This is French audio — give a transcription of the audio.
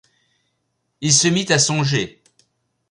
Il se mit à songer.